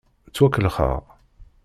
Ttwakellxeɣ.